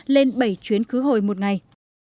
lên bảy chuyến khứ hồi một ngày